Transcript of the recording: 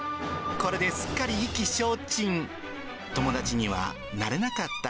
これですっかり意気消沈。